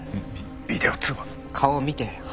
ビデオ通話？